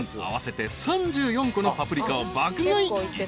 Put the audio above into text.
［合わせて３４個のパプリカを爆買い。